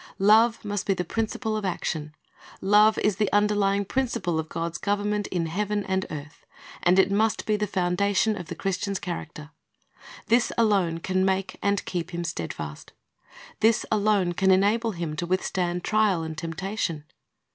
Love must be the principle of action. Love is the underlying principle of God's government in heaven and earth, and it must be the foundation of the Christian's character. This alone can make and keep him steadfast. This alone can enable him to withstand trial and temptation.